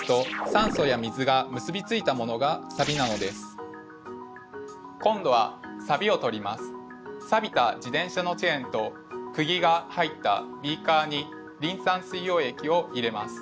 さびた自転車のチェーンとくぎが入ったビーカーにリン酸水溶液を入れます。